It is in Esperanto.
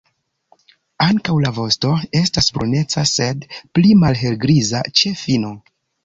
Ankaŭ la vosto estas bruneca, sed pli malhelgriza ĉe fino.